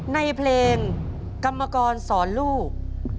ในเพลงกรรมกรสอนลูก